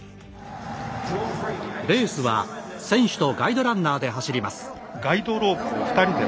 レースは選手とガイドランナーで走ります。